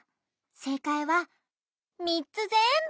せいかいはみっつぜんぶ！